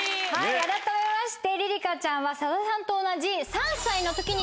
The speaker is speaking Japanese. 改めまして莉里香ちゃんは佐田さんと同じ。